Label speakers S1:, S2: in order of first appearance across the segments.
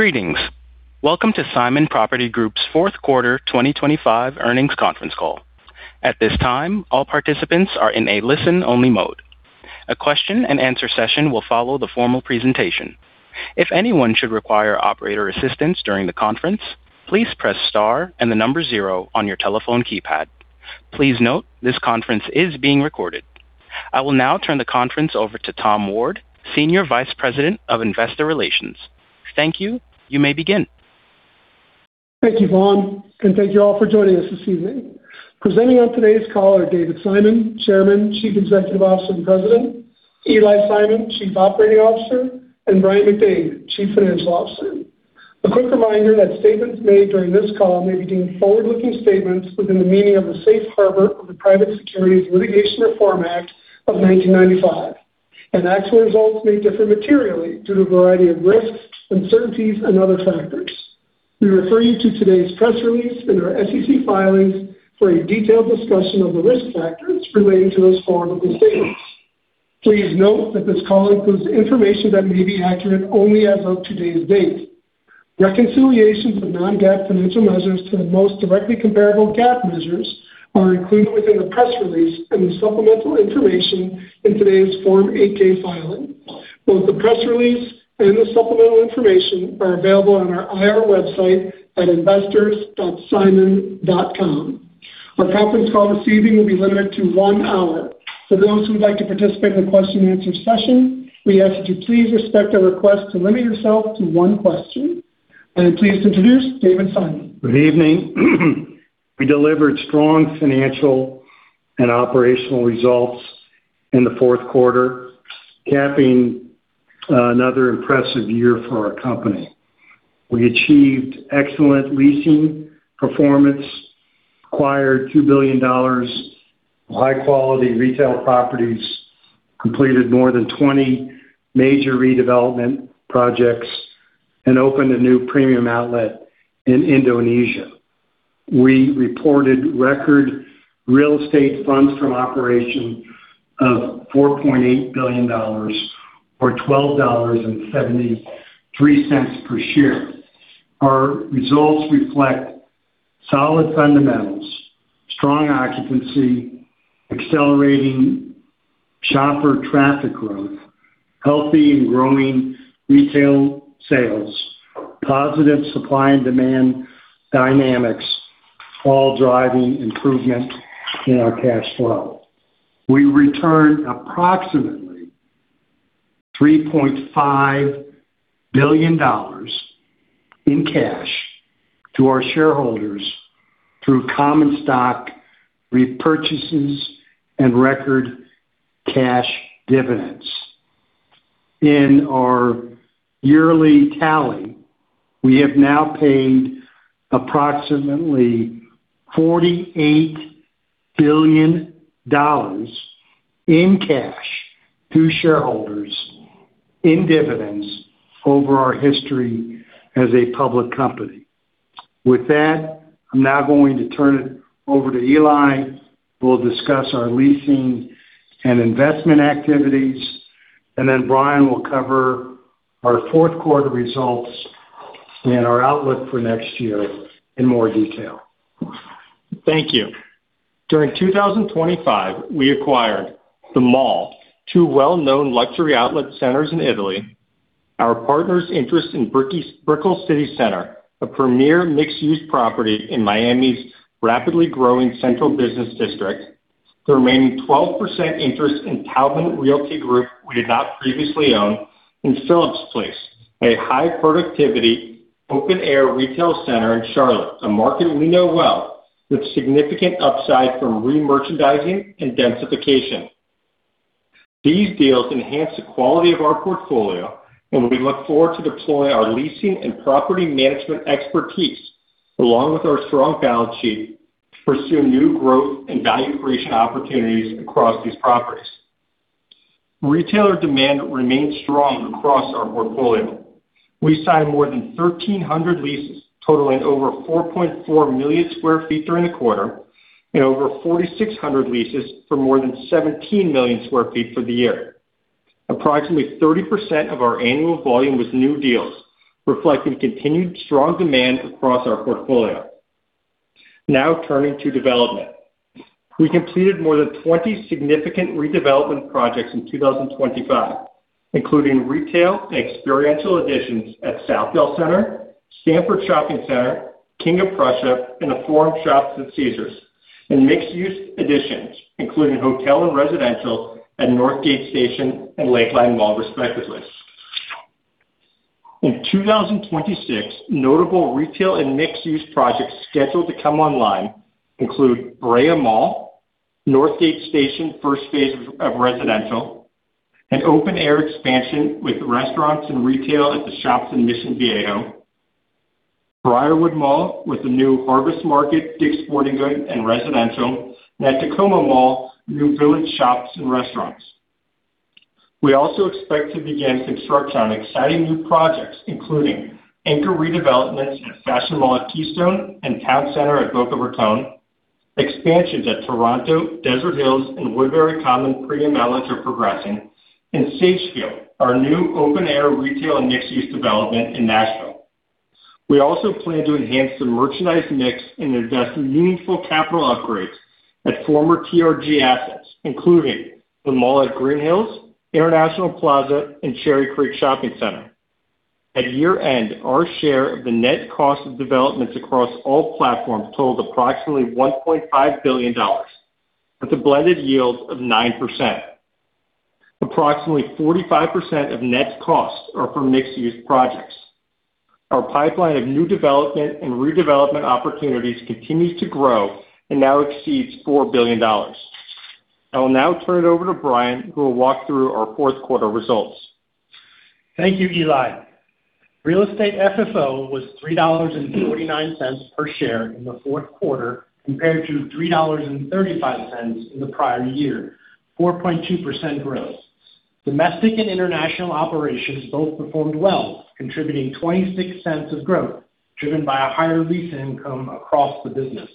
S1: Greetings! Welcome to Simon Property Group's fourth quarter 2025 earnings conference call. At this time, all participants are in a listen-only mode. A question-and-answer session will follow the formal presentation. If anyone should require operator assistance during the conference, please press star and the number zero on your telephone keypad. Please note, this conference is being recorded. I will now turn the conference over to Tom Ward, Senior Vice President of Investor Relations. Thank you. You may begin.
S2: Thank you, Vaughn, and thank you all for joining us this evening. Presenting on today's call are David Simon, Chairman, Chief Executive Officer, and President, Eli Simon, Chief Operating Officer, and Brian McDade, Chief Financial Officer. A quick reminder that statements made during this call may be deemed forward-looking statements within the meaning of the Safe Harbor of the Private Securities Litigation Reform Act of 1995, and actual results may differ materially due to a variety of risks, uncertainties, and other factors. We refer you to today's press release and our SEC filings for a detailed discussion of the risk factors relating to those forward-looking statements. Please note that this call includes information that may be accurate only as of today's date. Reconciliations of non-GAAP financial measures to the most directly comparable GAAP measures are included within the press release and the supplemental information in today's Form 8-K filing. Both the press release and the supplemental information are available on our IR website at investors.simon.com. Our conference call this evening will be limited to one hour. For those who'd like to participate in the question and answer session, we ask that you please respect our request to limit yourself to one question. I am pleased to introduce David Simon.
S3: Good evening. We delivered strong financial and operational results in the fourth quarter, capping another impressive year for our company. We achieved excellent leasing performance, acquired $2 billion of high-quality retail properties, completed more than 20 major redevelopment projects, and opened a new premium outlet in Indonesia. We reported record real estate funds from operations of $4.8 billion, or $12.73 per share. Our results reflect solid fundamentals, strong occupancy, accelerating shopper traffic growth, healthy and growing retail sales, positive supply and demand dynamics, all driving improvement in our cash flow. We returned approximately $3.5 billion in cash to our shareholders through common stock repurchases and record cash dividends. In our yearly tally, we have now paid approximately $48 billion in cash to shareholders in dividends over our history as a public company. With that, I'm now going to turn it over to Eli, who will discuss our leasing and investment activities, and then Brian will cover our fourth quarter results and our outlook for next year in more detail.
S4: Thank you. During 2025, we acquired The Mall, two well-known luxury outlet centers in Italy. Our partners' interest in Brickell City Centre, a premier mixed-use property in Miami's rapidly growing central business district, the remaining 12% interest in Taubman Realty Group we did not previously own, and Phillips Place, a high-productivity, open-air retail center in Charlotte, a market we know well, with significant upside from remerchandising and densification. These deals enhance the quality of our portfolio, and we look forward to deploying our leasing and property management expertise, along with our strong balance sheet, to pursue new growth and value creation opportunities across these properties. Retailer demand remains strong across our portfolio. We signed more than 1,300 leases, totaling over 4.4 million sq ft during the quarter and over 4,600 leases for more than 17 million sq ft for the year. Approximately 30% of our annual volume was new deals, reflecting continued strong demand across our portfolio. Now, turning to development. We completed more than 20 significant redevelopment projects in 2025, including retail and experiential additions at Southdale Center, Stanford Shopping Center, King of Prussia, and the Forum Shops at Caesars, and mixed-use additions, including hotel and residential at Northgate Station and Lakeline Mall, respectively. In 2026, notable retail and mixed-use projects scheduled to come online include Brea Mall, Northgate Station first phase of residential, an open-air expansion with restaurants and retail at The Shops at Mission Viejo, Briarwood Mall, with the new Harvest Market, Dick's Sporting Goods, and residential, and at Tacoma Mall, new village shops and restaurants. We also expect to begin construction on exciting new projects, including anchor redevelopments at The Fashion Mall at Keystone and Town Center at Boca Raton. Toronto Premium Outlets, Desert Hills Premium Outlets, and Woodbury Common Premium Outlets are progressing, and Sagefield, our new open-air retail and mixed-use development in Nashville. We also plan to enhance the merchandise mix and invest in meaningful capital upgrades at former TRG assets, including The Mall at Green Hills, International Plaza, and Cherry Creek Shopping Center. At year-end, our share of the net cost of developments across all platforms totaled approximately $1.5 billion, with a blended yield of 9%. Approximately 45% of net costs are from mixed-use projects. Our pipeline of new development and redevelopment opportunities continues to grow and now exceeds $4 billion. I will now turn it over to Brian, who will walk through our fourth quarter results.
S5: Thank you, Eli. Real estate FFO was $3.49 per share in the fourth quarter, compared to $3.35 in the prior year, 4.2% growth. Domestic and international operations both performed well, contributing $0.26 of growth, driven by higher lease income across the business.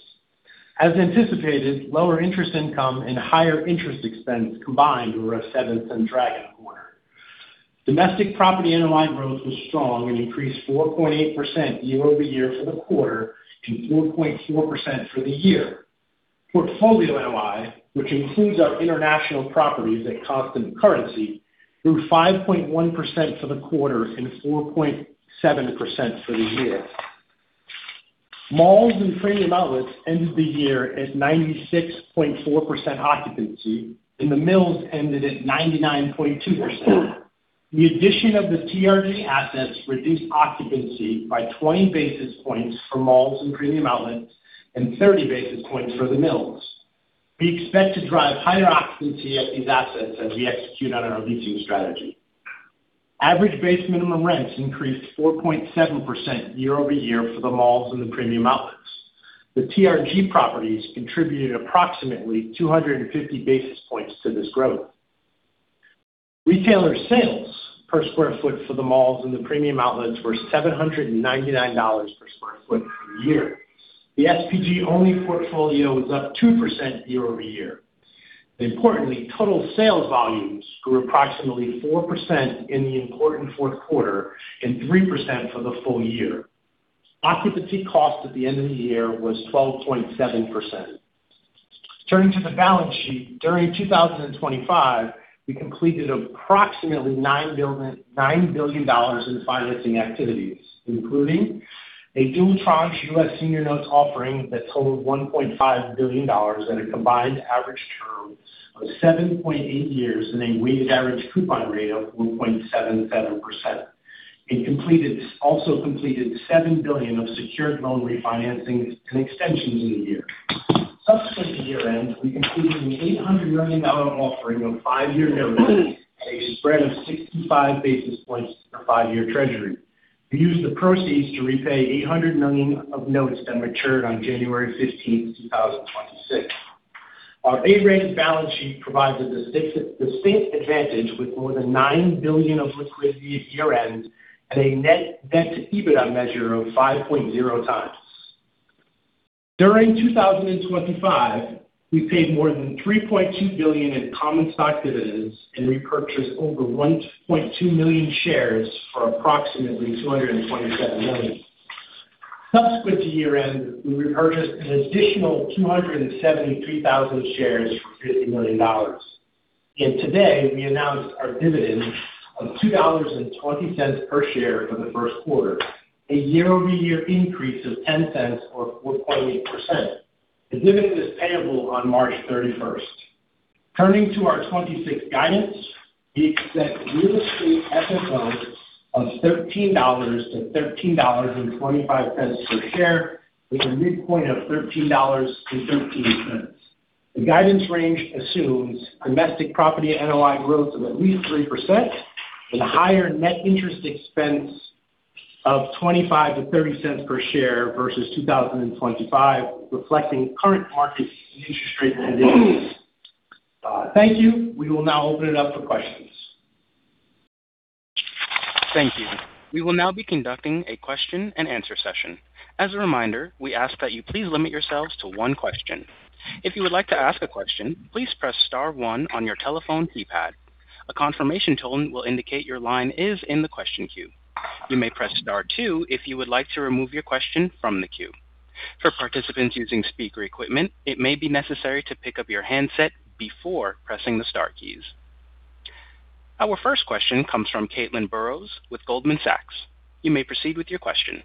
S5: As anticipated, lower interest income and higher interest expense combined were a $0.07 drag in the quarter. Domestic property NOI growth was strong and increased 4.8% year-over-year for the quarter and 4.4% for the year. Portfolio NOI, which includes our international properties at constant currency, grew 5.1% for the quarter and 4.7% for the year. Malls and premium outlets ended the year at 96.4% occupancy, and the mills ended at 99.2%. The addition of the TRG assets reduced occupancy by 20 basis points for malls and premium outlets and 30 basis points for the mills. We expect to drive higher occupancy at these assets as we execute on our leasing strategy. Average base minimum rents increased 4.7% year-over-year for the malls and the premium outlets. The TRG properties contributed approximately 250 basis points to this growth. Retailer sales per square foot for the malls and the premium outlets were $799 per sq ft for the year. The SPG-only portfolio was up 2% year-over-year. Importantly, total sales volumes grew approximately 4% in the important fourth quarter and 3% for the full year. Occupancy cost at the end of the year was 12.7%. Turning to the balance sheet, during 2025, we completed approximately $9 billion in financing activities, including a dual tranche US senior notes offering that totaled $1.5 billion at a combined average term of 7.8 years and a weighted average coupon rate of 1.77%. We also completed $7 billion of secured loan refinancing and extensions in the year. Subsequent to year-end, we completed an $800 million offering of 5-year notes at a spread of 65 basis points for 5-year treasury. We used the proceeds to repay $800 million of notes that matured on January 15, 2026. Our A-rated balance sheet provides a distinct, distinct advantage with more than $9 billion of liquidity at year-end and a net debt to EBITDA measure of 5.0x. During 2025, we paid more than $3.2 billion in common stock dividends and repurchased over 1.2 million shares for approximately $227 million. Subsequent to year-end, we repurchased an additional 273,000 shares for $50 million. And today, we announced our dividend of $2.20 per share for the first quarter, a year-over-year increase of $0.10 or 4.8%. The dividend is payable on March 31. Turning to our 2026 guidance, we expect real estate FFO of $13-$13.25 per share, with a midpoint of $13.13. The guidance range assumes domestic property NOI growth of at least 3% and a higher net interest expense of $0.25-$0.30 per share versus 2025, reflecting current market interest rate conditions. Thank you. We will now open it up for questions.
S1: Thank you. We will now be conducting a question-and-answer session. As a reminder, we ask that you please limit yourselves to one question. If you would like to ask a question, please press star one on your telephone keypad. A confirmation tone will indicate your line is in the question queue. You may press star two if you would like to remove your question from the queue. For participants using speaker equipment, it may be necessary to pick up your handset before pressing the star keys. Our first question comes from Caitlin Burrows with Goldman Sachs. You may proceed with your question.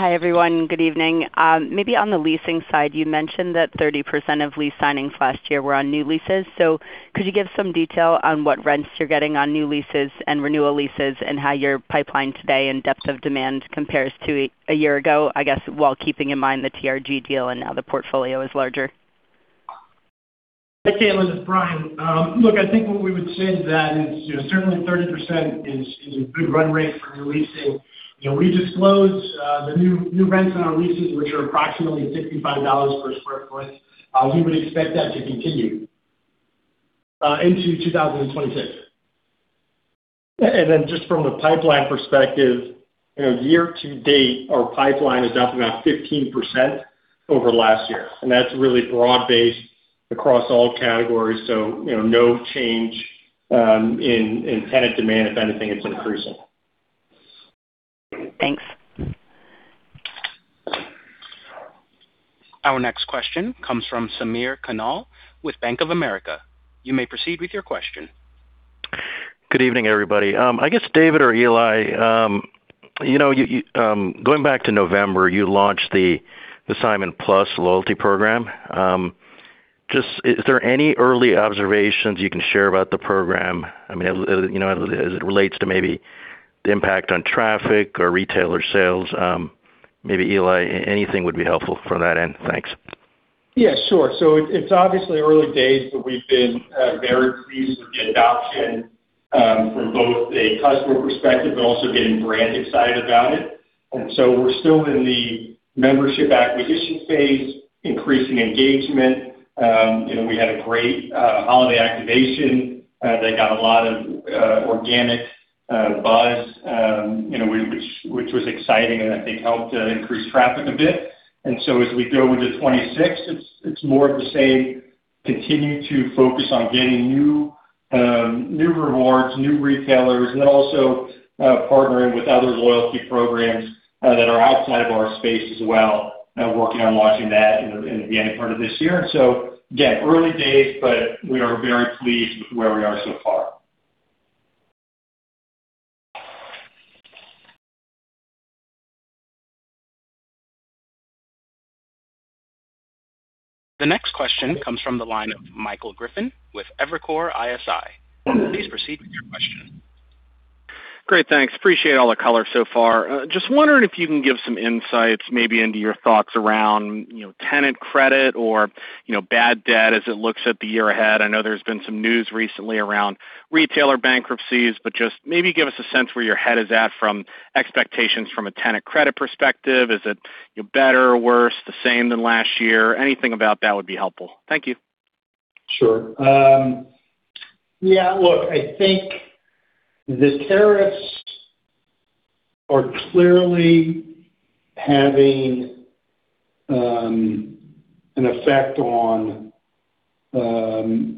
S6: Hi, everyone. Good evening. Maybe on the leasing side, you mentioned that 30% of lease signings last year were on new leases. So could you give some detail on what rents you're getting on new leases and renewal leases, and how your pipeline today and depth of demand compares to a year ago, I guess, while keeping in mind the TRG deal and now the portfolio is larger?
S5: Hi, Caitlin, this is Brian. Look, I think what we would say is that it's, you know, certainly 30% is a good run rate for new leasing. You know, we disclosed the new rents on our leases, which are approximately $65 per sq ft. We would expect that to continue into 2026.
S3: And then just from the pipeline perspective, you know, year to date, our pipeline is up about 15% over last year, and that's really broad-based across all categories. So, you know, no change in tenant demand. If anything, it's increasing. Thanks.
S1: Our next question comes from Samir Khanal with Bank of America. You may proceed with your question.
S7: Good evening, everybody. I guess, David or Eli, you know, going back to November, you launched the Simon Plus loyalty program. Just, is there any early observations you can share about the program? I mean, as you know, as it relates to maybe the impact on traffic or retailer sales, maybe Eli, anything would be helpful from that end. Thanks.
S3: Yeah, sure. So it's obviously early days, but we've been very pleased with the adoption from both a customer perspective, but also getting brand excited about it. So we're still in the membership acquisition phase, increasing engagement, you know, we had a great holiday activation. They got a lot of organic buzz, you know, which was exciting and I think helped increase traffic a bit. So as we go into 2026, it's more of the same, continue to focus on getting new rewards, new retailers, and then also partnering with other loyalty programs that are outside of our space as well, working on launching that in the beginning part of this year. So again, early days, but we are very pleased with where we are so far.
S1: The next question comes from the line of Michael Griffin with Evercore ISI. Please proceed with your question.
S8: Great, thanks. Appreciate all the color so far. Just wondering if you can give some insights, maybe into your thoughts around, you know, tenant credit or, you know, bad debt as it looks at the year ahead. I know there's been some news recently around retailer bankruptcies, but just maybe give us a sense where your head is at from expectations from a tenant credit perspective. Is it, you know, better or worse, the same than last year? Anything about that would be helpful. Thank you.
S3: Sure. Yeah, look, I think the tariffs are clearly having an effect on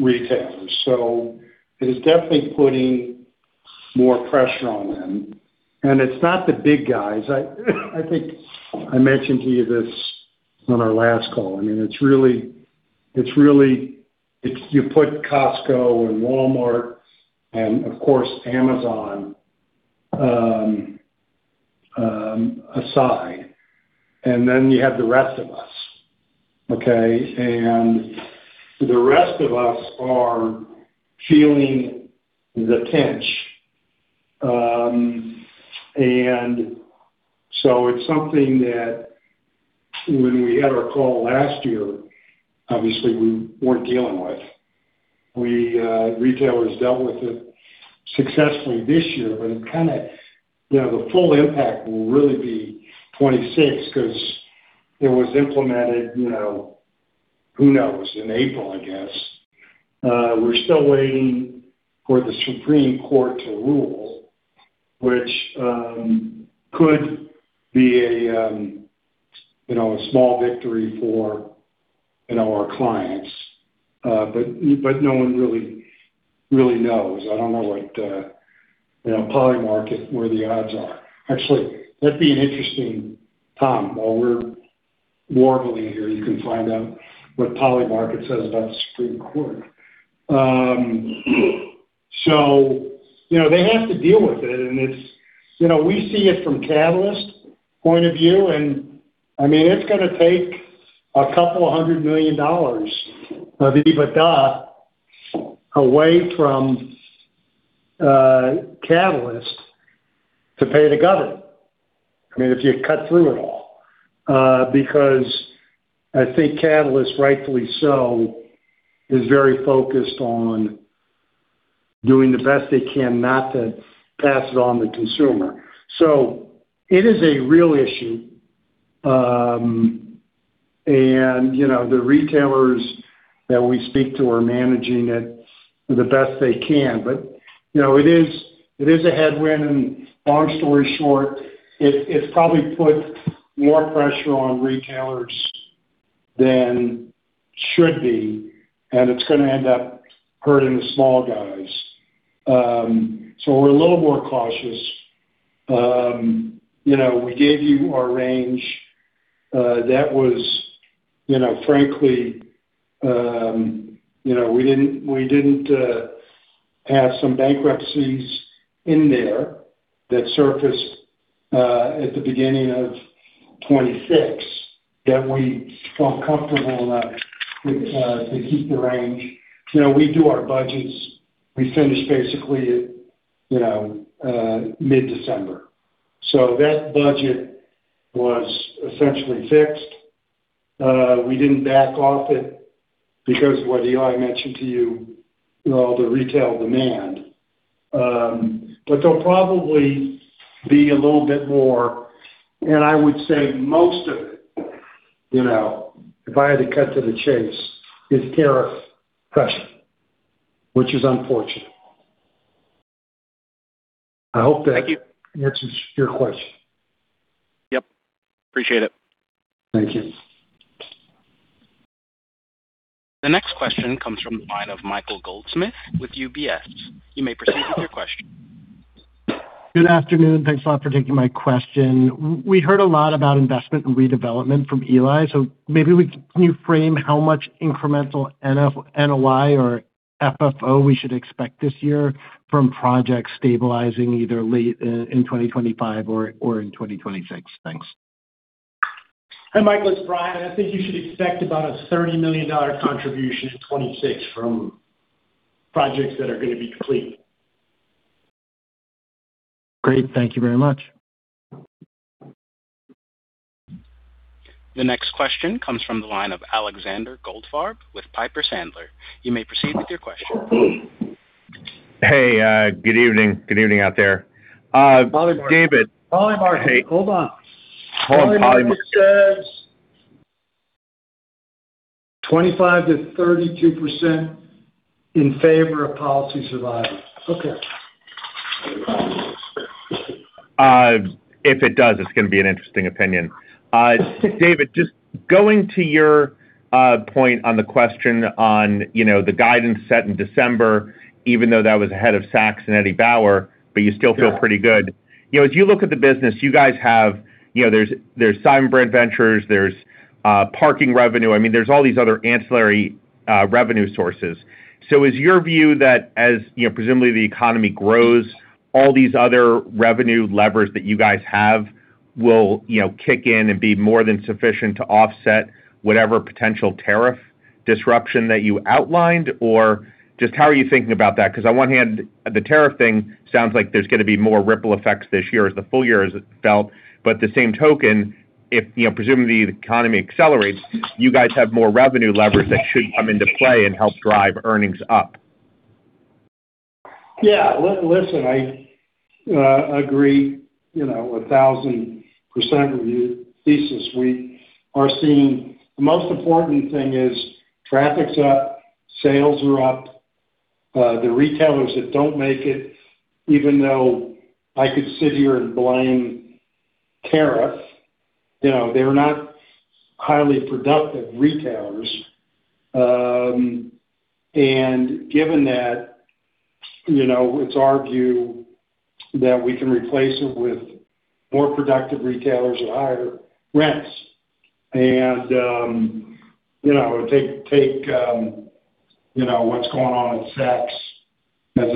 S3: retailers, so it is definitely putting more pressure on them. And it's not the big guys. I think I mentioned to you this on our last call. I mean, it's really, it's really—it's you put Costco and Walmart and, of course, Amazon aside, and then you have the rest of us, okay? And the rest of us are feeling the pinch. And so it's something that when we had our call last year, obviously, we weren't dealing with. Retailers dealt with it successfully this year, but it kind of, you know, the full impact will really be 2026, because it was implemented, you know, who knows, in April, I guess. We're still waiting for the Supreme Court to rule, which could be a small victory for our clients, but no one really knows. I don't know what Polymarket, where the odds are. Actually, that'd be an interesting time. While we're warbling here, you can find out what Polymarket says about the Supreme Court. So, you know, they have to deal with it, and it's, you know, we see it from Catalyst point of view, and I mean, it's gonna take $200 million of EBITDA away from Catalyst to pay the government. I mean, if you cut through it all, because I think Catalyst, rightfully so, is very focused on doing the best they can not to pass it on to consumer. So it is a real issue. And, you know, the retailers that we speak to are managing it the best they can. But, you know, it is a headwind, and long story short, it probably puts more pressure on retailers than should be, and it's gonna end up hurting the small guys. So we're a little more cautious. You know, we gave you our range, that was, you know, frankly, you know, we didn't, we didn't have some bankruptcies in there that surfaced at the beginning of 2026, that we felt comfortable enough with to keep the range. You know, we do our budgets. We finish basically at, you know, mid-December. So that budget was essentially fixed. We didn't back off it because what Eli mentioned to you, you know, the retail demand. But they'll probably be a little bit more, and I would say most of it, you know, if I had to cut to the chase, is tariff pressure, which is unfortunate. I hope that-
S8: Thank you.
S3: answers your question.
S8: Yep, appreciate it.
S3: Thank you.
S1: The next question comes from the line of Michael Goldsmith with UBS. You may proceed with your question.
S9: Good afternoon. Thanks a lot for taking my question. We heard a lot about investment and redevelopment from Eli, so maybe can you frame how much incremental NOI or FFO we should expect this year from projects stabilizing either late in 2025 or in 2026? Thanks.
S5: Hi, Michael, it's Brian. I think you should expect about a $30 million contribution in 2026 from projects that are gonna be complete.
S9: Great. Thank you very much.
S1: The next question comes from the line of Alexander Goldfarb with Piper Sandler. You may proceed with your question.
S10: Hey, good evening. Good evening out there. David-
S3: Polley Martin. Hold on.
S10: Hold on, Polly Martin.
S3: Says, 25%-32% in favor of policy surviving. Okay.
S10: If it does, it's gonna be an interesting opinion. David, just going to your point on the question on, you know, the guidance set in December, even though that was ahead of Saks and Eddie Bauer, but you still feel pretty good. You know, as you look at the business, you guys have, you know, there's, there's Simon Brand Ventures, there's parking revenue. I mean, there's all these other ancillary revenue sources. So is your view that as, you know, presumably the economy grows, all these other revenue levers that you guys have will, you know, kick in and be more than sufficient to offset whatever potential tariff disruption that you outlined? Or just how are you thinking about that? Because on one hand, the tariff thing sounds like there's gonna be more ripple effects this year as the full year is felt, but at the same token, if, you know, presumably the economy accelerates, you guys have more revenue leverage that should come into play and help drive earnings up.
S3: Yeah, listen, I agree, you know, 1000% with your thesis. We are seeing. The most important thing is traffic's up, sales are up. The retailers that don't make it, even though I could sit here and blame tariff, you know, they're not highly productive retailers. And given that, you know, it's our view that we can replace it with more productive retailers at higher rents. And, you know, take what's going on at Saks as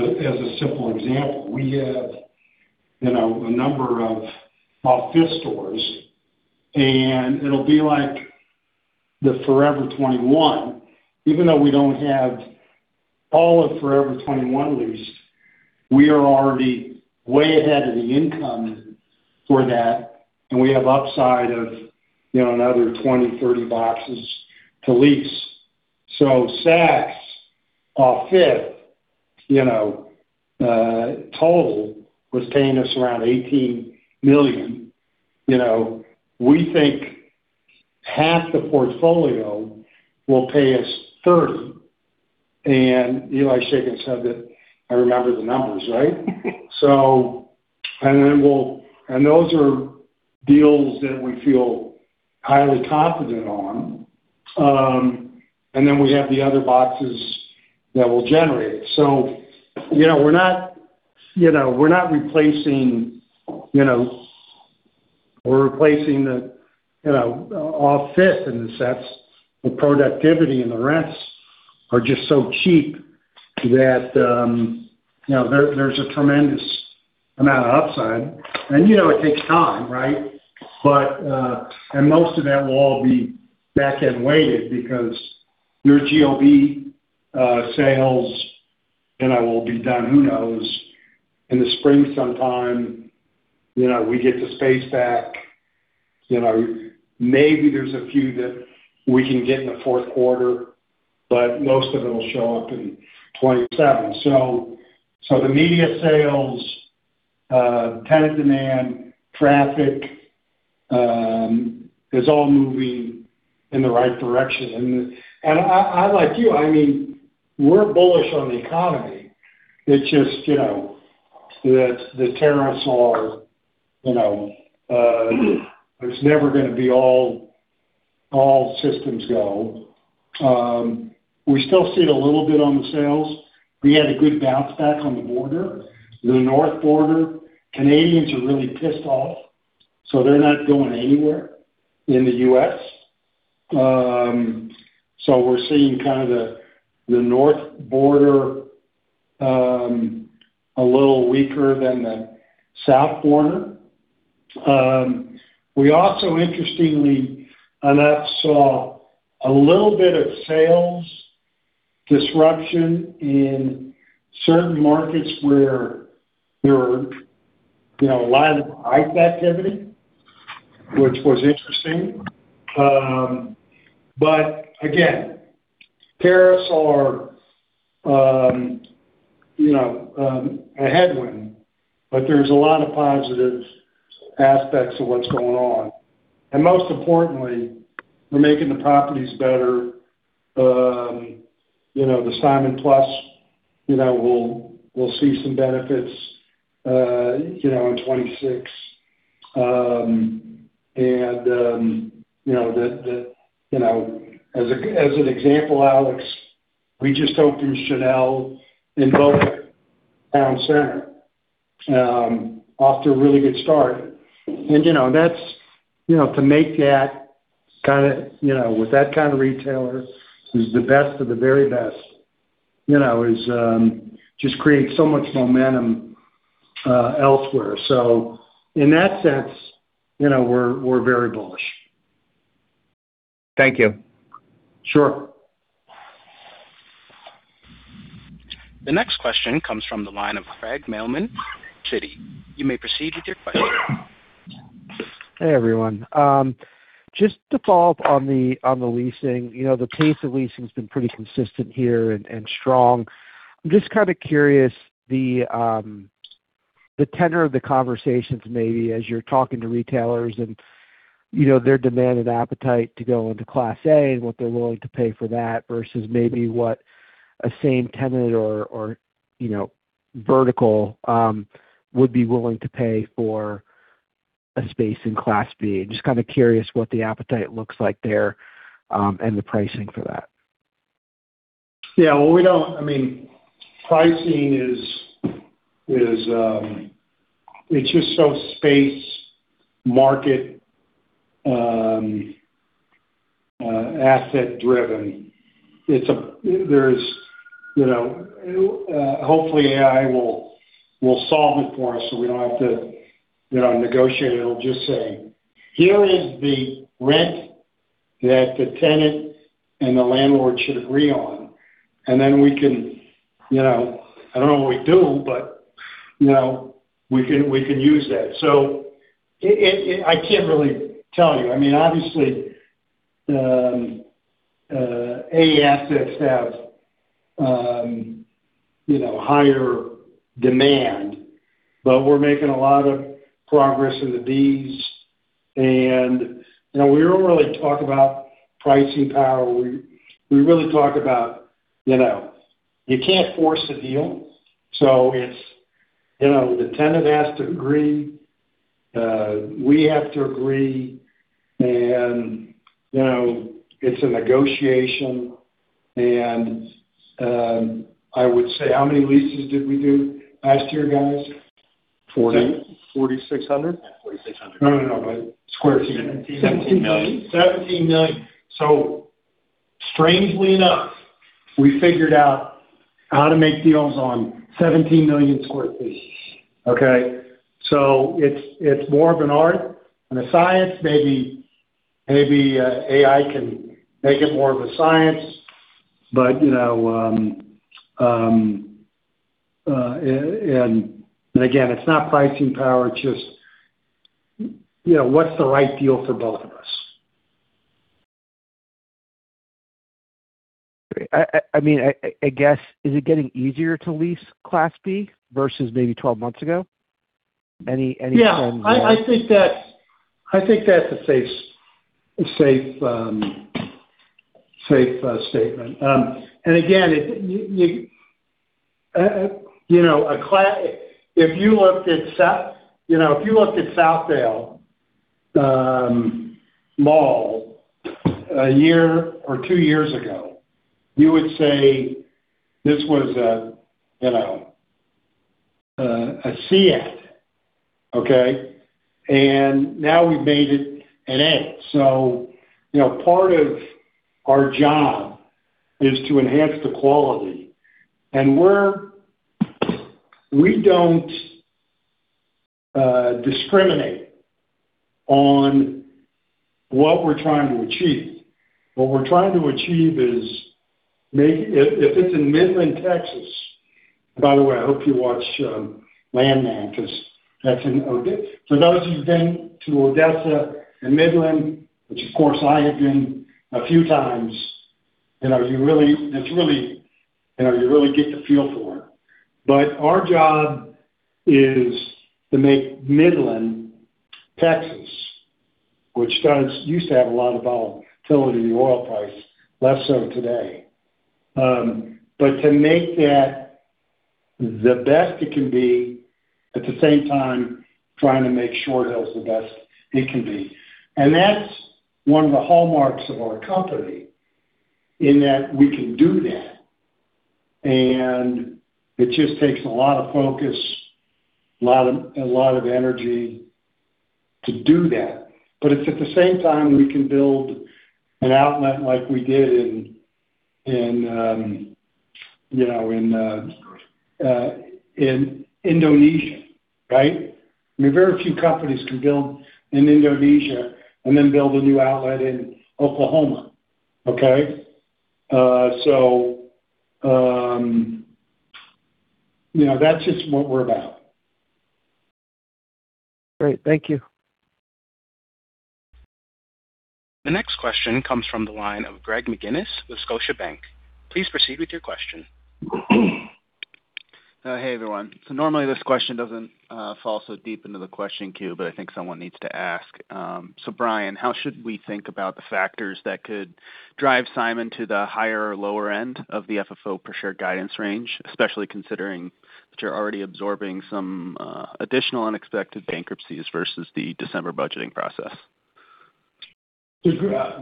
S3: a simple example. We have, you know, a number of off-price stores, and it'll be like the Forever 21. Even though we don't have all of Forever 21 leased, we are already way ahead of the income for that, and we have upside of, you know, another 20, 30 boxes to lease. So Saks OFF 5TH, you know, total was paying us around $18 million. You know, we think half the portfolio will pay us $30 million, and Eli Simon said that I remember the numbers, right? So, and then we'll. And those are deals that we feel highly confident on. And then we have the other boxes that we'll generate. So, you know, we're not, you know, we're not replacing, you know, we're replacing the, you know, OFF 5TH, and the Saks, the productivity and the rents are just so cheap that, you know, there, there's a tremendous amount of upside. And, you know, it takes time, right? But, and most of that will all be back-end weighted because your GOB sales, and it will be done, who knows, in the spring sometime, you know, we get the space back. You know, maybe there's a few that we can get in the fourth quarter, but most of it'll show up in 2027. So the media sales, tenant demand, traffic, is all moving in the right direction. And I, like you, I mean, we're bullish on the economy. It's just, you know, that the tariffs are, you know, it's never gonna be all systems go. We still see it a little bit on the sales. We had a good bounce back on the border. The north border, Canadians are really pissed off, so they're not going anywhere in the US. So we're seeing kind of the north border a little weaker than the south border. We also, interestingly, and I saw a little bit of sales disruption in certain markets where there were, you know, a lot of ICE activity, which was interesting. But again, tariffs are, you know, a headwind, but there's a lot of positive aspects of what's going on. And most importantly, we're making the properties better. You know, the Simon Plus, you know, we'll see some benefits, you know, in 2026. And, you know, the, you know, as an example, Alex, we just opened Chanel in Town Center at Boca Raton, off to a really good start. And, you know, that's, you know, to make that kind of, you know, with that kind of retailer, who's the best of the very best, you know, is just creates so much momentum, elsewhere. So in that sense, you know, we're very bullish.
S10: Thank you.
S3: Sure.
S1: The next question comes from the line of Craig Mailman, Citi. You may proceed with your question.
S11: Hey, everyone. Just to follow up on the leasing. You know, the pace of leasing's been pretty consistent here and strong. I'm just kind of curious, the tenor of the conversations, maybe as you're talking to retailers and, you know, their demand and appetite to go into Class A, and what they're willing to pay for that, versus maybe what a same tenant or, you know, vertical, would be willing to pay for a space in Class B. Just kind of curious what the appetite looks like there, and the pricing for that.
S3: Yeah, well, we don't... I mean, pricing is, it's just so space, market, asset driven. It's a— there's, you know, hopefully AI will solve it for us, so we don't have to, you know, negotiate. It'll just say, "Here is the rent that the tenant and the landlord should agree on," and then we can, you know, I don't know what we do, but, you know, we can use that. So it, I can't really tell you. I mean, obviously, A assets have, you know, higher demand, but we're making a lot of progress in the Bs. And, you know, we don't really talk about pricing power. We really talk about, you know, you can't force a deal, so it's, you know, the tenant has to agree, we have to agree, and, you know, it's a negotiation and, I would say, how many leases did we do last year, guys? 40. 4,600?
S11: Forty-six hundred.
S3: No, no, no. Sq ft. 17 million. 17 million. So strangely enough, we figured out how to make deals on 17 million sq ft, okay? So it's, it's more of an art than a science. Maybe, maybe, AI can make it more of a science, but, you know, and, and again, it's not pricing power, it's just, you know, what's the right deal for both of us?
S11: I mean, I guess, is it getting easier to lease Class B versus maybe 12 months ago? Any, any-
S3: Yeah, I think that's a safe statement. And again, you know, if you looked at Southdale mall a year or two years ago, you would say this was a C asset, okay? And now we've made it an A. So, you know, part of our job is to enhance the quality, and we're. We don't discriminate on what we're trying to achieve. What we're trying to achieve is. If it's in Midland, Texas, by the way, I hope you watch Landman, because that's in. For those who've been to Odessa and Midland, which of course I have been a few times, you know, you really get the feel for it. But our job is to make Midland, Texas, which used to have a lot of volatility in the oil price, less so today. But to make that the best it can be, at the same time, trying to make Short Hills the best it can be. And that's one of the hallmarks of our company, in that we can do that, and it just takes a lot of focus, a lot of energy to do that. But it's at the same time, we can build an outlet like we did in, you know, Indonesia, right? I mean, very few companies can build in Indonesia and then build a new outlet in Oklahoma, okay? So, you know, that's just what we're about.
S11: Great. Thank you.
S1: The next question comes from the line of Greg McGinnis with Scotiabank. Please proceed with your question.
S12: Hey, everyone. So normally, this question doesn't fall so deep into the question queue, but I think someone needs to ask. So Brian, how should we think about the factors that could drive Simon to the higher or lower end of the FFO per share guidance range, especially considering that you're already absorbing some additional unexpected bankruptcies versus the December budgeting process?
S5: So,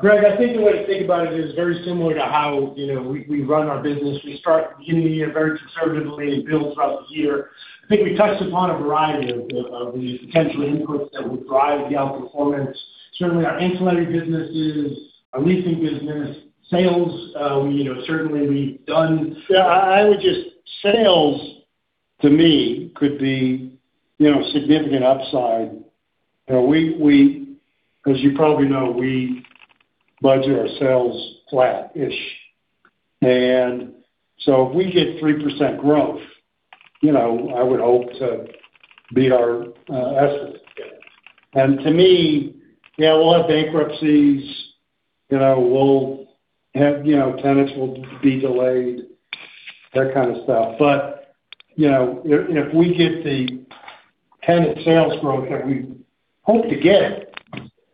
S5: Greg, I think the way to think about it is very similar to how, you know, we run our business. We start the beginning of the year very conservatively and build throughout the year. I think we touched upon a variety of the potential inputs that would drive the outperformance. Certainly, our ancillary businesses, our leasing business, sales, you know, certainly we've done-
S3: I would just, sales to me could be, you know, significant upside. You know, we, as you probably know, we budget our sales flat-ish. And so if we get 3% growth, you know, I would hope to beat our estimates. And to me, yeah, we'll have bankruptcies, you know, we'll have, you know, tenants will be delayed, that kind of stuff. But, you know, if we get the tenant sales growth that we hope to get,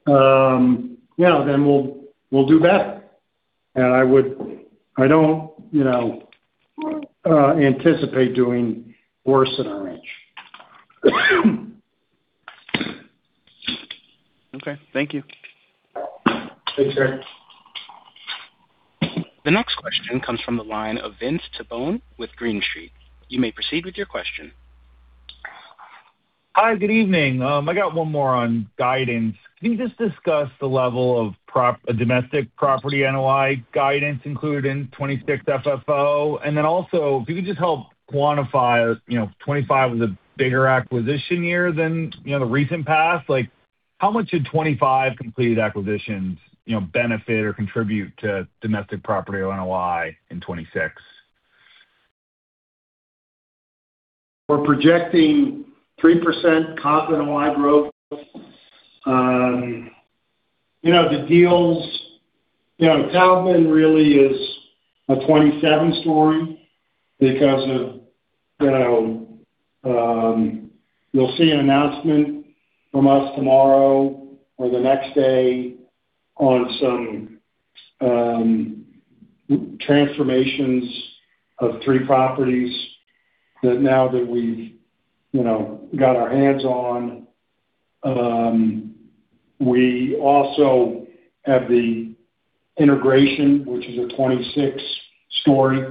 S3: you know, then we'll do better. And I would, I don't, you know, anticipate doing worse than our range.
S12: Okay, thank you.
S5: Thanks, Greg.
S1: The next question comes from the line of Vince Tibone with Green Street. You may proceed with your question.
S13: Hi, good evening. I got one more on guidance. Can you just discuss the level of pro forma domestic property NOI guidance included in 2026 FFO? And then also, if you could just help quantify, you know, 2025 was a bigger acquisition year than, you know, the recent past. Like, how much did 2025 completed acquisitions, you know, benefit or contribute to domestic property NOI in 2026?
S3: We're projecting 3% comp NOI growth. You know, the deals, you know, Taubman really is a 2027 story because of, you know. You'll see an announcement from us tomorrow or the next day on some transformations of 3 properties that now that we've, you know, got our hands on. We also have the integration, which is a 2026 story.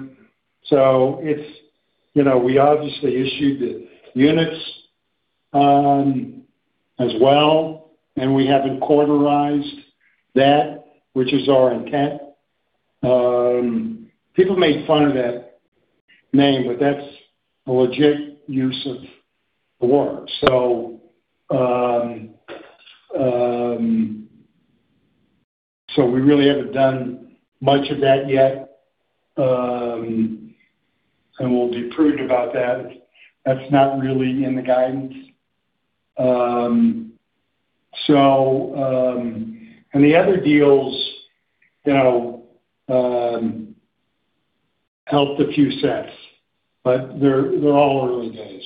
S3: So it's, you know, we obviously issued the units, as well, and we haven't quarterized that, which is our intent. People made fun of that name, but that's a legit use of the word. So, so we really haven't done much of that yet, and we'll be prudent about that. That's not really in the guidance. So, and the other deals, you know, helped a few cents, but they're, they're all early days.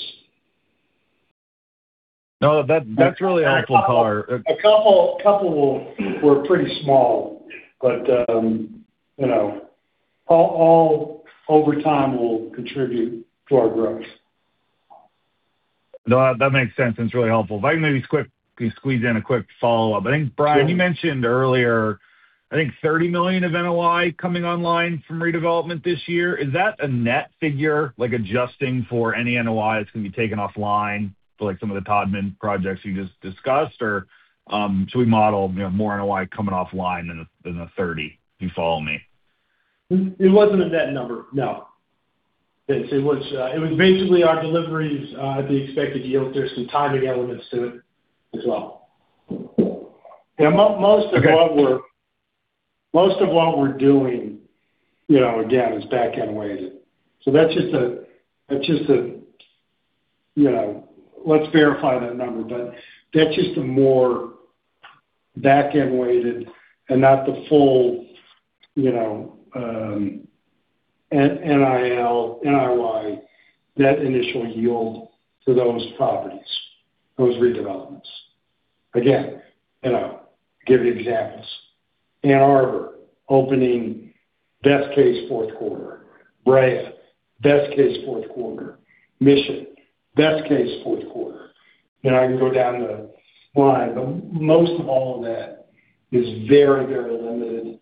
S13: No, that, that's really helpful, Carl.
S3: A couple were pretty small, but you know, all over time will contribute to our growth.
S13: No, that makes sense, and it's really helpful. If I can maybe quickly squeeze in a quick follow-up. I think, Brian, you mentioned earlier, I think $30 million of NOI coming online from redevelopment this year. Is that a net figure, like adjusting for any NOI that's going to be taken offline for, like, some of the Taubman projects you just discussed? Or, should we model, you know, more NOI coming offline than the thirty? You follow me.
S5: It wasn't a net number, no. It was basically our deliveries at the expected yield. There's some timing elements to it as well.
S3: Yeah, most of what we're-
S13: Okay.
S3: Most of what we're doing, you know, again, is back-end weighted. So that's just a, you know, let's verify that number, but that's just a more back-end weighted and not the full, you know, initial NOI, net initial yield for those properties, those redevelopments. Again, you know, give you examples. Ann Arbor, opening, best case, fourth quarter. Brea, best case, fourth quarter. Mission Viejo, best case, fourth quarter. And I can go down the line, but most of all of that is very, very limited,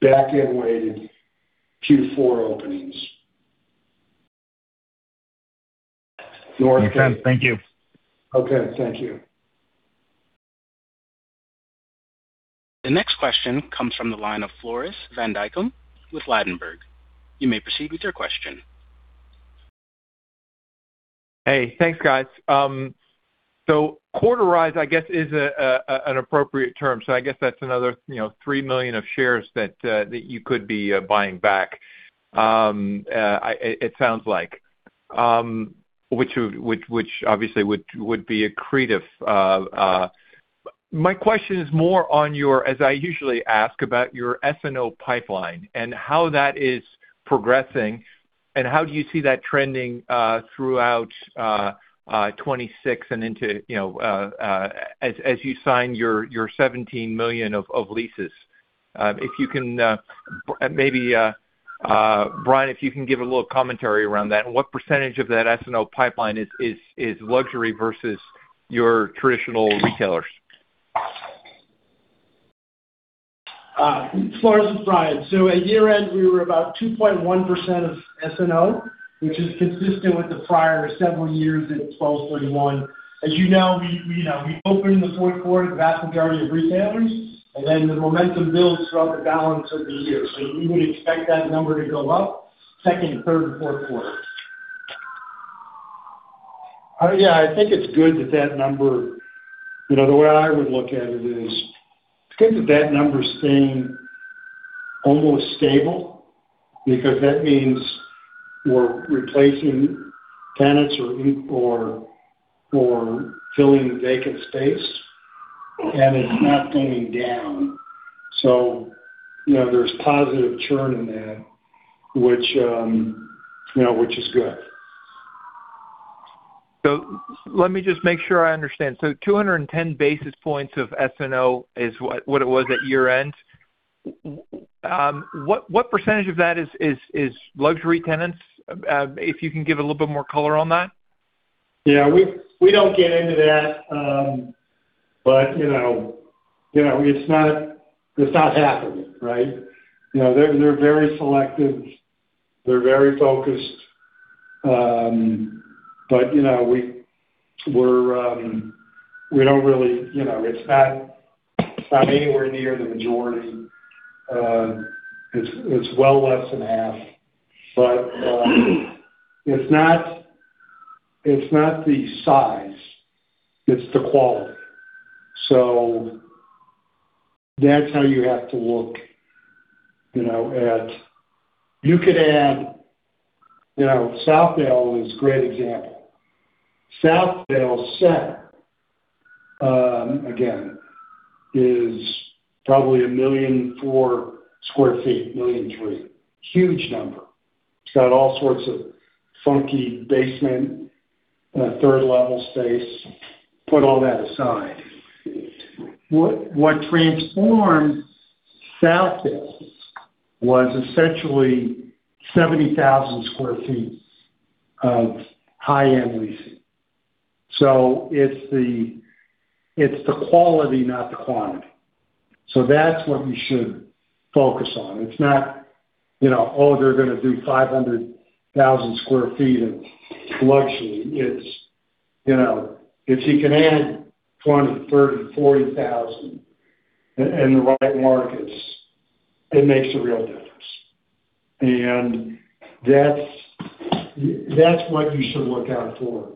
S3: back-end weighted, Q4 openings.
S13: Okay. Thank you.
S3: Okay, thank you.
S1: The next question comes from the line of Floris van Dijkum with Ladenburg Thalmann. You may proceed with your question.
S14: Hey, thanks, guys. So quarter rise, I guess, is an appropriate term, so I guess that's another, you know, 3 million of shares that you could be buying back. It sounds like, which would obviously be accretive. My question is more on your, as I usually ask, about your S&O pipeline and how that is progressing, and how do you see that trending throughout '2026 and into, you know, as you sign your 17 million of leases? If you can, maybe, Brian, if you can give a little commentary around that, and what percentage of that S&O pipeline is luxury versus your traditional retailers?
S5: Florence and Brian. So at year-end, we were about 2.1% of S&O, which is consistent with the prior several years at 12/31. As you know, we opened the fourth quarter, the vast majority of retailers, and then the momentum builds throughout the balance of the year. So we would expect that number to go up second, third, and fourth quarter.
S3: Yeah, I think it's good that that number. You know, the way I would look at it is, it's good that that number's staying almost stable, because that means we're replacing tenants or filling the vacant space, and it's not going down. So, you know, there's positive churn in that, which, you know, which is good.
S14: So let me just make sure I understand. So 210 basis points of S&O is what it was at year-end. What percentage of that is luxury tenants? If you can give a little bit more color on that.
S3: Yeah, we, we don't get into that, but, you know, you know, it's not, it's not happening, right? You know, they're, they're very selective, they're very focused, but you know, we're, we don't really, you know, it's not, it's not anywhere near the majority. It's, it's well less than half. But, it's not, it's not the size, it's the quality. So that's how you have to look, you know, at..You could add, you know, Southdale is a great example. Southdale Center, again, is probably 1.4 million sq ft, 1.3 million sq ft. Huge number. It's got all sorts of funky basement and a third-level space. Put all that aside. What transformed Southdale was essentially 70,000 sq ft of high-end leasing. So it's the, it's the quality, not the quantity. So that's what you should focus on. It's not, you know, oh, they're gonna do 500,000 sq ft of luxury. It's, you know, if you can add 20,000, 30,000, 40,000 in the right markets, it makes a real difference. And that's, that's what you should look out for,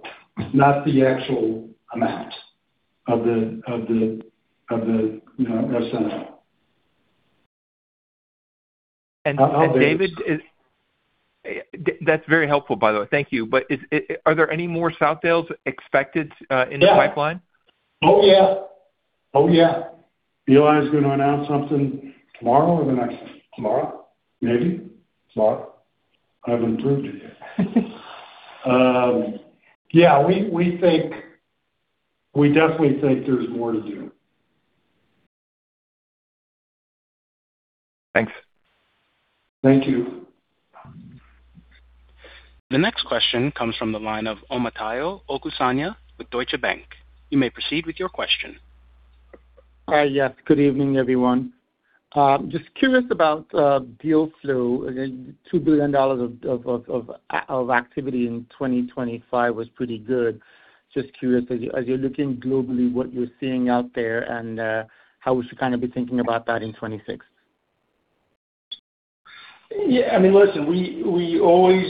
S3: not the actual amount of the, of the, of the, you know, S&O.
S14: David, that's very helpful, by the way. Thank you. But are there any more Southdales expected in the pipeline?
S3: Yeah. Oh, yeah. Oh, yeah. Eli's gonna announce something tomorrow or the next-
S4: Tomorrow.
S3: Maybe.
S4: Tomorrow.
S3: I haven't approved it yet. Yeah, we, we think, we definitely think there's more to do.
S14: Thanks.
S3: Thank you.
S1: The next question comes from the line of Omotayo Okusanya with Deutsche Bank. You may proceed with your question.
S15: Yes. Good evening, everyone. Just curious about deal flow. Again, $2 billion of activity in 2025 was pretty good. Just curious, as you're looking globally, what you're seeing out there and how we should kind of be thinking about that in 2026?
S4: Yeah, I mean, listen, we always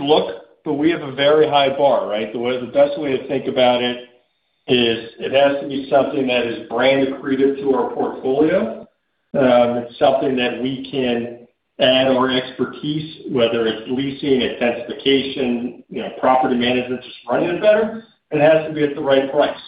S4: look, but we have a very high bar, right? The best way to think about it is it has to be something that is brand accretive to our portfolio. It's something that we can add our expertise, whether it's leasing, intensification, you know, property management, just running it better, and it has to be at the right price.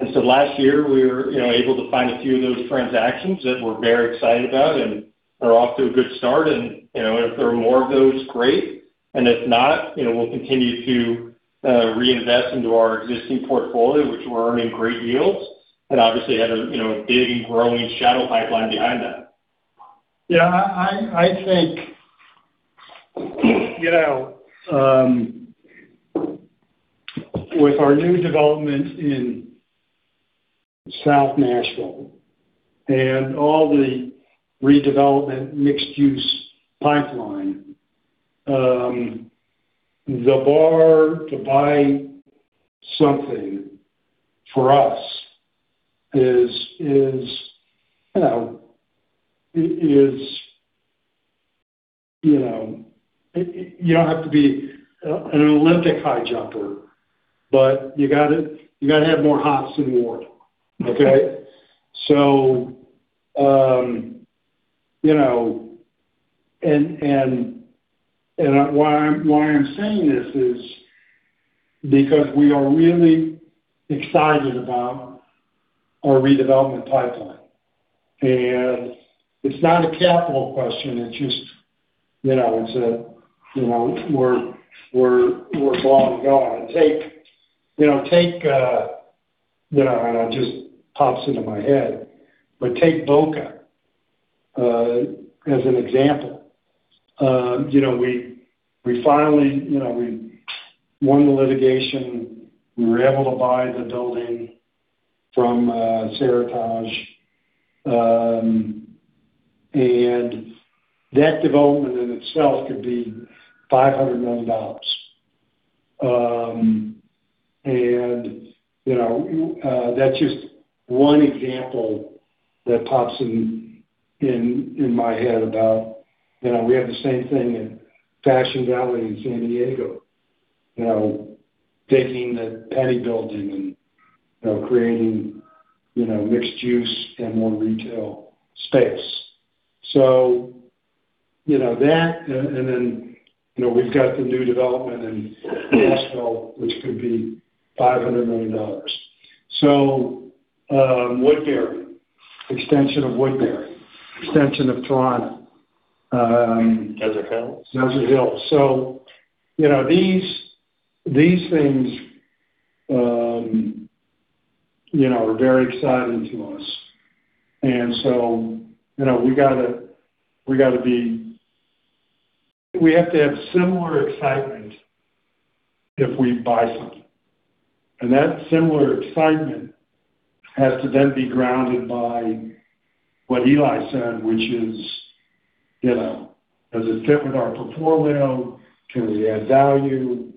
S4: And so last year, we were, you know, able to find a few of those transactions that we're very excited about and are off to a good start. And, you know, if there are more of those, great. And if not, you know, we'll continue to reinvest into our existing portfolio, which we're earning great yields, and obviously have a, you know, a big growing shadow pipeline behind that.
S3: Yeah, I think, you know, with our new development in South Nashville and all the redevelopment mixed-use pipeline, the bar to buy something for us is, you know, is. you know, you don't have to be an Olympic high jumper, but you gotta have more hops than Ward, okay? So, you know, and why I'm saying this is because we are really excited about our redevelopment pipeline. And it's not a capital question, it's just, you know, it's a, you know, we're long gone. Take, you know, take, you know, and it just pops into my head, but take Boca as an example. You know, we finally, you know, we won the litigation. We were able to buy the building from Seritage. And that development in itself could be $500 million. And, you know, that's just one example that pops in my head about, you know, we have the same thing in Fashion Valley in San Diego. You know, taking the Penny Building and, you know, creating, you know, mixed use and more retail space. So, you know that, and, and then, you know, we've got the new development in Nashville, which could be $500 million. So, Woodbury, extension of Woodbury, extension of Toronto,
S5: Desert Hills.
S3: Desert Hills. So, you know, these, these things, you know, are very exciting to us. And so, you know, we gotta, we gotta be. We have to have similar excitement if we buy something. And that similar excitement has to then be grounded by what Eli said, which is, you know, does it fit with our portfolio? Can we add value?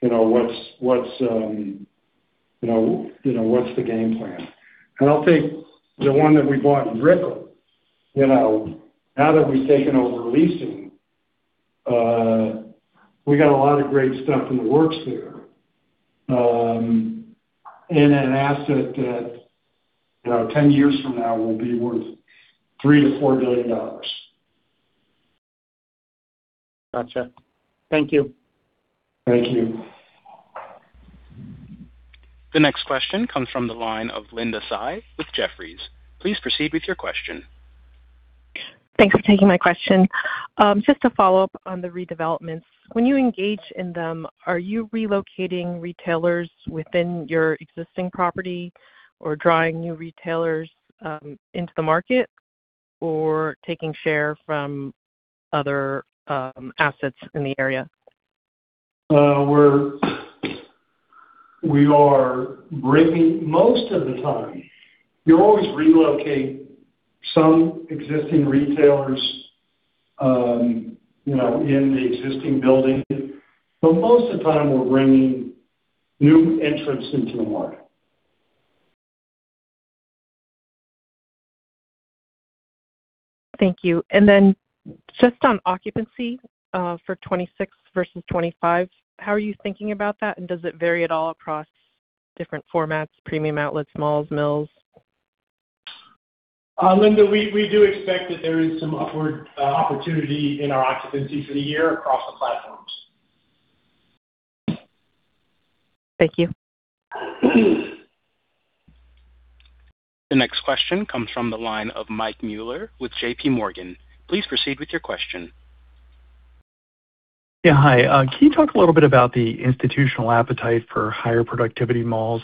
S3: You know, what's, what's, you know, you know, what's the game plan? And I'll take the one that we bought in Brickell. You know, now that we've taken over leasing, we got a lot of great stuff in the works there, in an asset that, you know, 10 years from now will be worth $3 billion-$4 billion.
S5: Gotcha. Thank you.
S3: Thank you.
S1: The next question comes from the line of Linda Tsai with Jefferies. Please proceed with your question.
S16: Thanks for taking my question. Just to follow up on the redevelopments. When you engage in them, are you relocating retailers within your existing property, or drawing new retailers into the market, or taking share from other assets in the area?
S3: We are bringing most of the time, you always relocate some existing retailers, you know, in the existing building, but most of the time, we're bringing new entrants into the market.
S16: Thank you. Then just on occupancy, for 2026 versus 2025, how are you thinking about that? Does it vary at all across different formats, premium outlets, malls, mills?
S5: Linda, we, we do expect that there is some upward opportunity in our occupancy for the year across the platforms.
S16: Thank you.
S1: The next question comes from the line of Mike Mueller with J.P. Morgan. Please proceed with your question.
S17: Yeah, hi. Can you talk a little bit about the institutional appetite for higher productivity malls?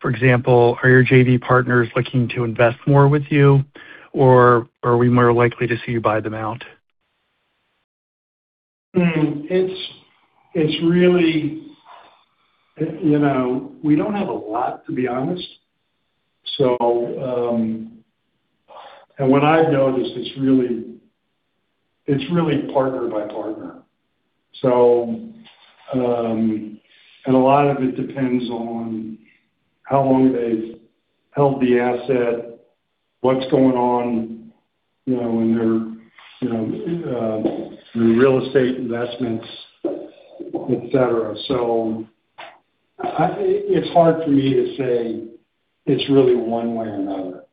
S17: For example, are your JV partners looking to invest more with you, or are we more likely to see you buy them out?
S3: It's, it's really, you know, we don't have a lot, to be honest. So, and what I've noticed, it's really, it's really partner by partner. So, and a lot of it depends on how long they've held the asset, what's going on, you know, in their, you know, real estate investments, et cetera. It's hard for me to say it's really one way or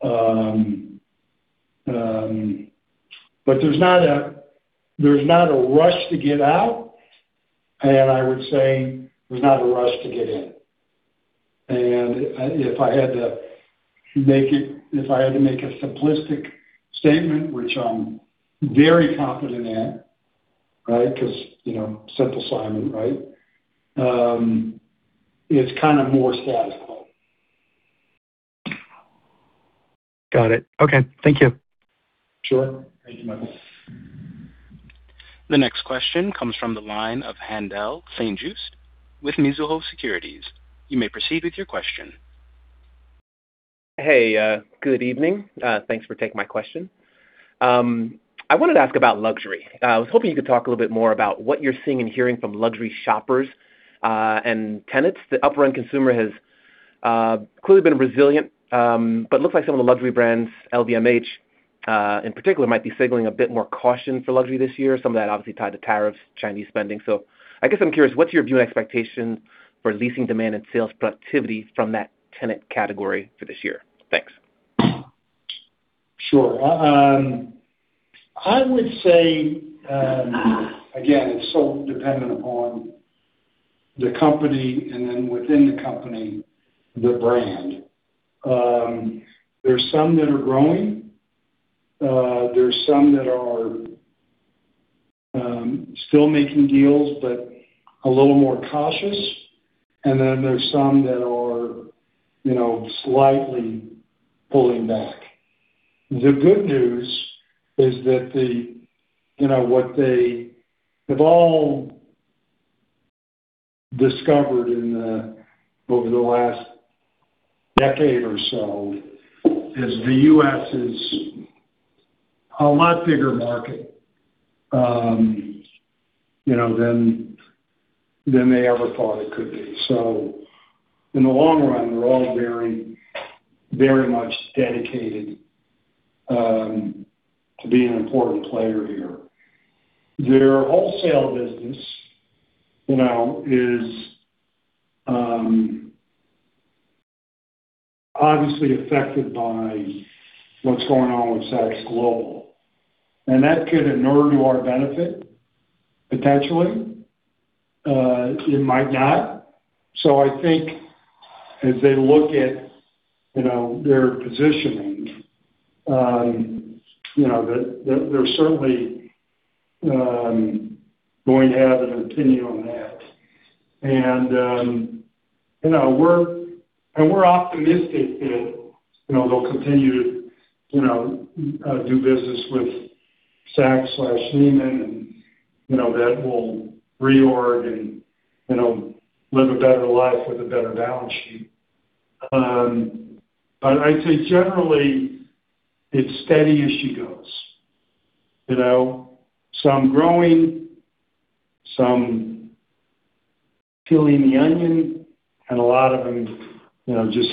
S3: another. But there's not a, there's not a rush to get out, and I would say there's not a rush to get in. And if I had to make it. If I had to make a simplistic statement, which I'm very confident at, right? Because, you know, simple Simon, right? It's kind of more status quo.
S17: Got it. Okay. Thank you.
S3: Sure. Thank you, Michael.
S1: The next question comes from the line of Haendel St. Juste with Mizuho Securities. You may proceed with your question.
S18: Hey, good evening. Thanks for taking my question. I wanted to ask about luxury. I was hoping you could talk a little bit more about what you're seeing and hearing from luxury shoppers, and tenants. The upfront consumer has- clearly been resilient, but looks like some of the luxury brands, LVMH, in particular, might be signaling a bit more caution for luxury this year. Some of that obviously tied to tariffs, Chinese spending. So I guess I'm curious, what's your view and expectation for leasing demand and sales productivity from that tenant category for this year? Thanks.
S3: Sure. I would say, again, it's so dependent upon the company, and then within the company, the brand. There are some that are growing, there are some that are still making deals but a little more cautious, and then there's some that are, you know, slightly pulling back. The good news is that the, you know, what they have all discovered in the, over the last decade or so, is the US is a lot bigger market, you know, than, than they ever thought it could be. So in the long run, they're all very, very much dedicated to being an important player here. Their wholesale business, you know, is obviously affected by what's going on with Saks Global, and that could inure to our benefit, potentially. It might not. So I think as they look at, you know, their positioning, you know, that, they're certainly going to have an opinion on that. And, you know, we're optimistic that, you know, they'll continue to, you know, do business with Saks/Neiman, and, you know, that will reorg and, you know, live a better life with a better balance sheet. But I'd say generally, it's steady as she goes. You know, some growing, some peeling the onion, and a lot of them, you know, just,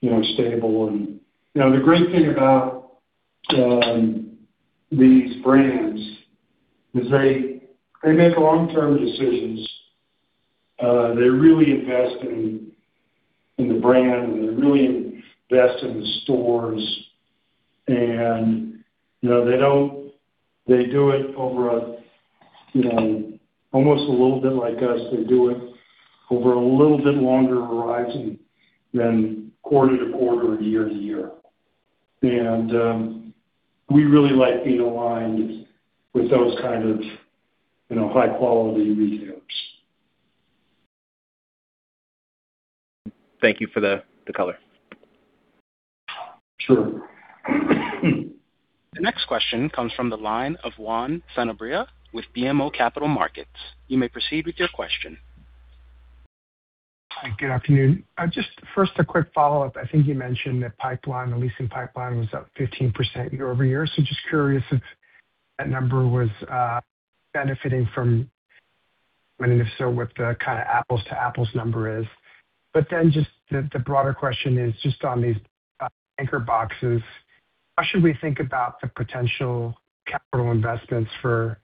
S3: you know, stable. And, you know, the great thing about these brands is they make long-term decisions. They really invest in the brand, and they really invest in the stores, and, you know, they don't. They do it over a, you know, almost a little bit like us. They do it over a little bit longer horizon than quarter to quarter or year to year. We really like being aligned with those kind of, you know, high quality retailers.
S18: Thank you for the color.
S3: Sure.
S1: The next question comes from the line of Juan Sanabria with BMO Capital Markets. You may proceed with your question.
S19: Hi, good afternoon. Just first, a quick follow-up. I think you mentioned that pipeline, the leasing pipeline was up 15% year-over-year. So just curious if that number was benefiting from, and if so, what the kind of apples to apples number is. But then the broader question is just on these anchor boxes, how should we think about the potential capital investments for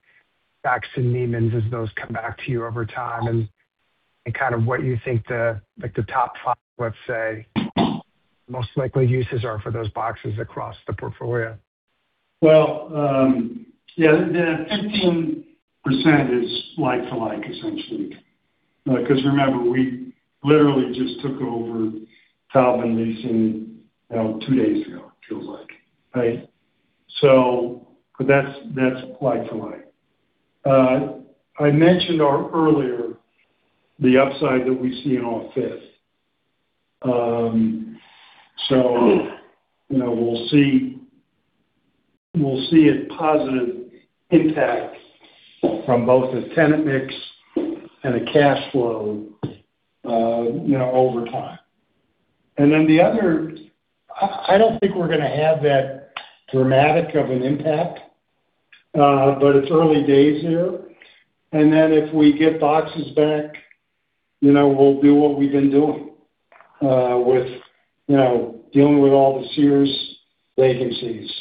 S19: Saks and Neiman's as those come back to you over time, and kind of what you think, like, the top 5, let's say, most likely uses are for those boxes across the portfolio?
S3: Well, yeah, the 15% is like to like, essentially. Because remember, we literally just took over Taubman leasing, you know, two days ago, it feels like, right? So but that's like to like. I mentioned earlier the upside that we see in our TRG. So, you know, we'll see a positive impact from both the tenant mix and the cash flow, you know, over time. And then the other. I don't think we're gonna have that dramatic of an impact, but it's early days here. And then if we get boxes back, you know, we'll do what we've been doing with, you know, dealing with all the Sears vacancies.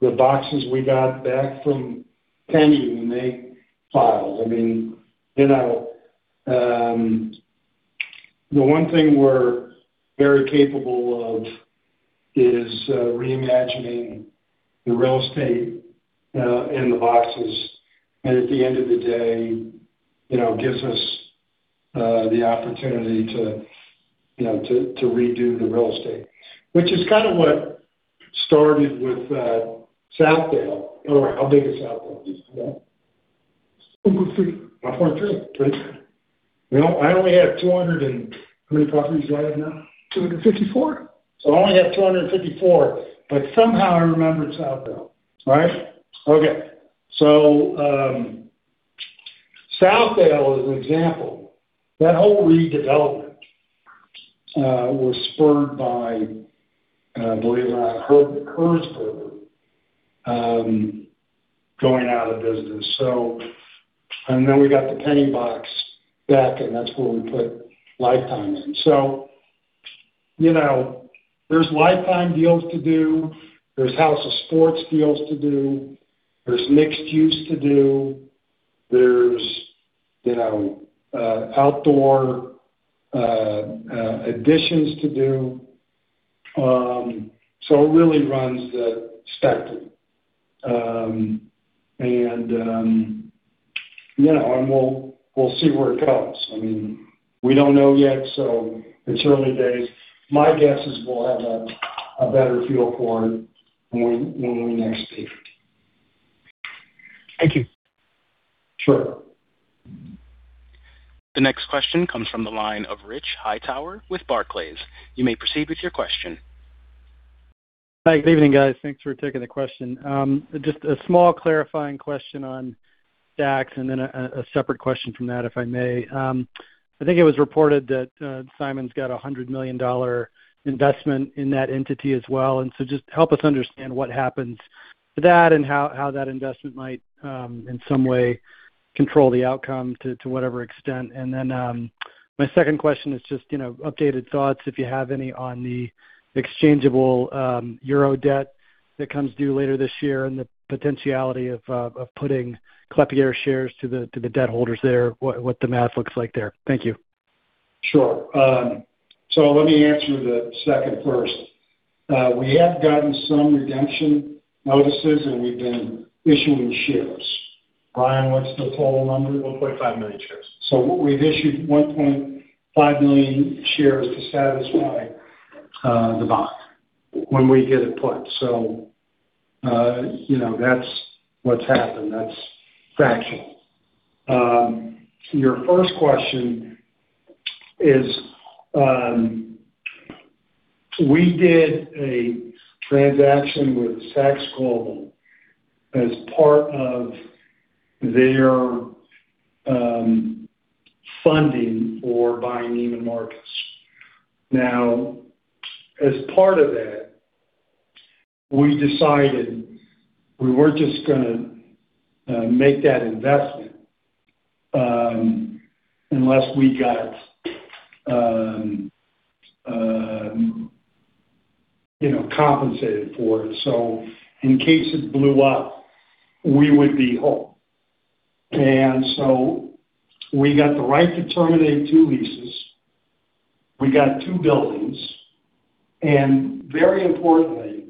S3: The boxes we got back from Penny when they filed. I mean, you know, the one thing we're very capable of is reimagining the real estate in the boxes, and at the end of the day, you know, gives us the opportunity to, you know, to, to redo the real estate. Which is kind of what started with Southdale. Or how big is Southdale, do you know?
S20: 1.3.
S3: 1.3, right. You know, I only have 200 and how many properties do I have now?
S20: 254.
S3: So I only have 254, but somehow I remember Southdale Center, right? Okay. So, Southdale Center is an example. That whole redevelopment was spurred by, believe it or not, Herberger's going out of business. So, and then we got the JCPenney box back, and that's where we put Life Time in. So, you know, there's Life Time deals to do, there's House of Sport deals to do, there's mixed use to do, there's, you know, outdoor additions to do. So it really runs the spectrum. And, you know, and we'll, we'll see where it goes. I mean, we don't know yet, so it's early days. My guess is we'll have a better feel for it when we next speak.
S21: Thank you.
S3: Sure.
S1: The next question comes from the line of Rich Hightower with Barclays. You may proceed with your question.
S22: Hi, good evening, guys. Thanks for taking the question. Just a small clarifying question on tax and then a separate question from that, if I may. I think it was reported that Simon's got a $100 million investment in that entity as well, and so just help us understand what happens to that and how that investment might in some way control the outcome to whatever extent. And then my second question is just, you know, updated thoughts, if you have any, on the exchangeable euro debt that comes due later this year and the potentiality of putting Klépierre shares to the debt holders there, what the math looks like there. Thank you.
S3: Sure. So let me answer the second first. We have gotten some redemption notices, and we've been issuing shares. Brian, what's the total number?
S5: 1.5 million shares.
S3: So we've issued 1.5 million shares to satisfy the bond when we hit a put. So, you know, that's what's happened. That's factual. Your first question is, we did a transaction with Saks Global as part of their funding for buying Neiman Marcus. Now, as part of that, we decided we weren't just gonna make that investment unless we got, you know, compensated for it. So in case it blew up, we would be whole. And so we got the right to terminate 2 leases. We got 2 buildings, and very importantly,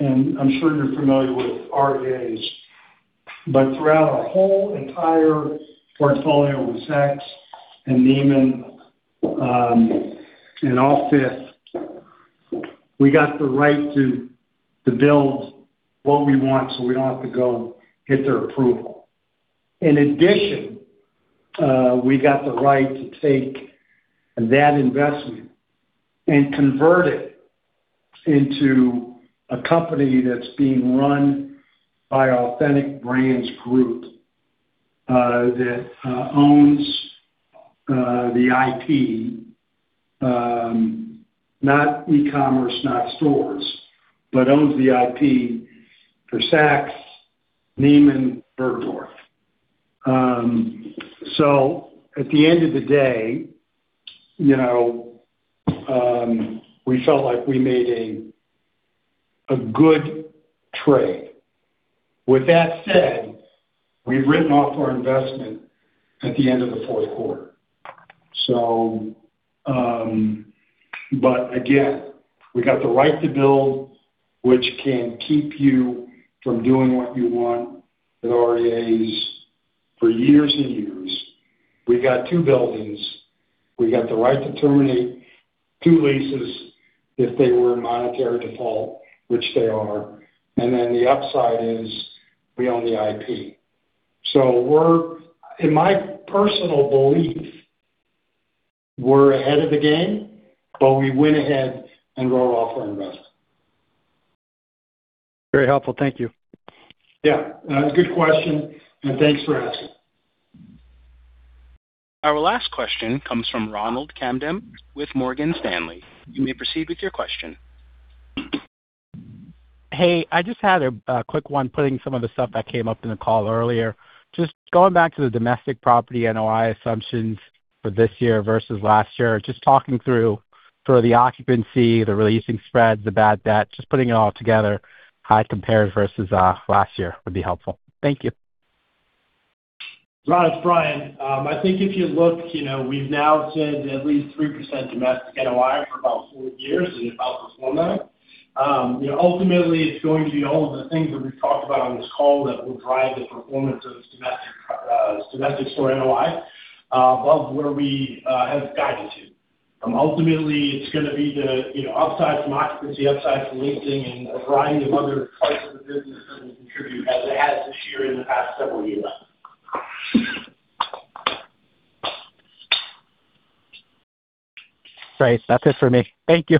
S3: and I'm sure you're familiar with REAs, but throughout our whole entire portfolio with Saks and Neiman, and Saks OFF 5TH, we got the right to build what we want, so we don't have to go and get their approval. In addition, we got the right to take that investment and convert it into a company that's being run by Authentic Brands Group, that owns the IP, not e-commerce, not stores, but owns the IP for Saks, Neiman, Bergdorf. So at the end of the day, you know, we felt like we made a good trade. With that said, we've written off our investment at the end of the fourth quarter. So, but again, we got the right to build, which can keep you from doing what you want at REAs for years and years. We've got two buildings. We got the right to terminate two leases if they were in monetary default, which they are, and then the upside is we own the IP. So we're. In my personal belief, we're ahead of the game, but we went ahead and wrote off our investment.
S22: Very helpful. Thank you.
S3: Yeah, good question, and thanks for asking.
S1: Our last question comes from Ronald Kamdem with Morgan Stanley. You may proceed with your question.
S21: Hey, I just had a quick one, putting some of the stuff that came up in the call earlier. Just going back to the domestic property NOI assumptions for this year versus last year. Just talking through for the occupancy, the re-leasing spreads, the bad debt, just putting it all together, how it compared versus last year would be helpful. Thank you.
S5: Ron, it's Brian. I think if you look, you know, we've now said at least 3% domestic NOI for about four years, and it outperformed that. You know, ultimately, it's going to be all of the things that we've talked about on this call that will drive the performance of the domestic, domestic store NOI, above where we, have guided you. Ultimately, it's gonna be the, you know, upside from occupancy, upside from leasing, and a variety of other parts of the business that will contribute, as it has this year and the past several years.
S21: Great. That's it for me. Thank you.